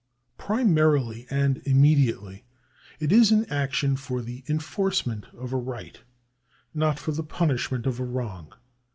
Primarily and immediately, it is an action for the enforcement of a right, not for the punishment of a wrong.